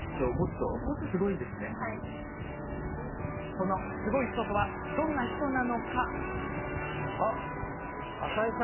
そのすごい人とはどんな人なのか。